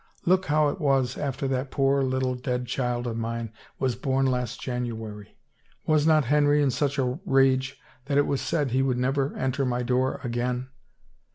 Look how it was after that — that poor little dead child of mine was born last Janu ary. Was not Henry in such a rage that 'twas said he would never enter my door again